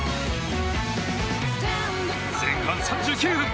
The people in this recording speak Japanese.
前半３９分。